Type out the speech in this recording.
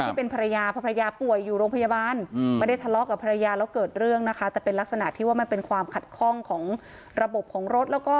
ที่เป็นภรรยาภรรยาป่วยอยู่โรงพยาบาลไม่ได้ทะเลาะกับภรรยาแล้วเกิดเรื่องนะคะแต่เป็นลักษณะที่ว่ามันเป็นความขัดข้องของระบบของรถแล้วก็